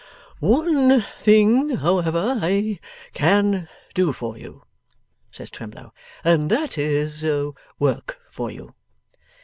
'One thing, however, I CAN do for you,' says Twemlow; 'and that is, work for you.